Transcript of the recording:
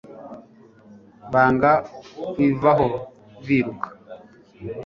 banga kuyivaho biruka